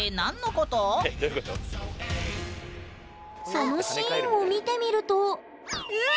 そのシーンを見てみるとうわ！